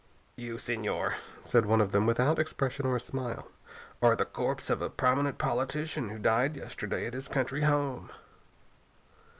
"You, Señor," said one of them without expression or a smile, "are the corpse of a prominent politician who died yesterday at his country home."